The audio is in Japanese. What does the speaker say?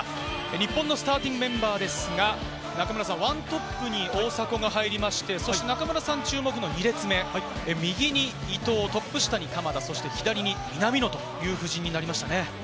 日本のスターティングメンバーですが、１トップに大迫が入りまして、中村さん注目の２列目、右に伊東、トップ下に鎌田、左に南野という布陣になりましたね。